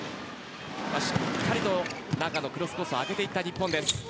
しっかりとナガのクロスコースに当てていった日本。